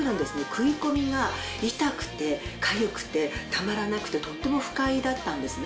食い込みが痛くてかゆくてたまらなくてとっても不快だったんですね。